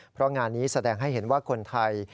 เพราะงานนี้แสดงให้เห็นว่าคนไทย